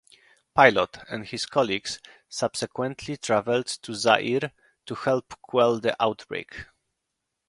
Piot and his colleagues subsequently traveled to Zaire to help quell the outbreak.